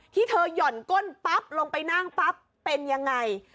ที่เธอหย่อนก้นปั๊บลงไปนั่งปั๊บเป็นยังไง